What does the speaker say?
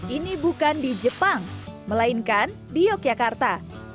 ini bukan di jepang melainkan di yogyakarta